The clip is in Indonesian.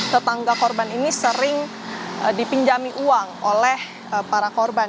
tetangga korban ini sering dipinjami uang oleh para korban